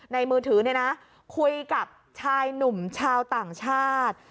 มือถือเนี่ยนะคุยกับชายหนุ่มชาวต่างชาติ